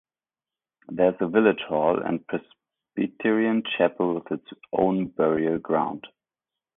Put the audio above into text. There is a village hall and Presbyterian chapel with its own burial ground.